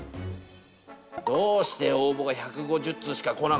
どうして応募が１５０通しか来なかったのかな？